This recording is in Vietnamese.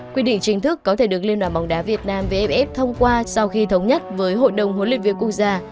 quy định chính thức có thể được liên đoàn bóng đá việt nam vff thông qua sau khi thống nhất với hội đồng huấn luyện viên quốc gia